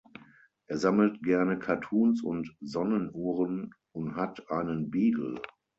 Er sammelt gerne Cartoons und Sonnenuhren und hat einen Beagle.